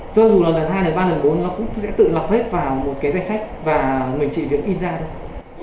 cho dù là lần hai lần ba lần bốn nó cũng sẽ tự lập hết vào một cái danh sách và mình chỉ được in ra thôi